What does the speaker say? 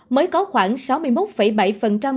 mới có khoảng sáu mươi một bảy